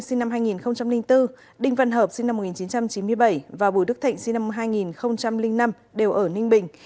sinh năm hai nghìn bốn đinh văn hợp sinh năm một nghìn chín trăm chín mươi bảy và bùi đức thịnh sinh năm hai nghìn năm đều ở ninh bình